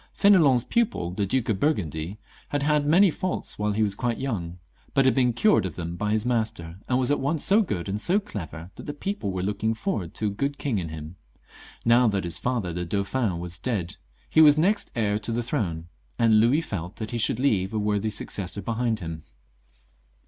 F^n^lon's pupil, the Duke of Burgundy, had had many faults while he was quite young, but had been cured of them by his master, and was at once so good and so clever that the people were looking forward to a good king in him. Now that his father, the Dauphin, was dead, he was next heir to the throne, and Louis felt that he should leave a worthy suc cessor behind him.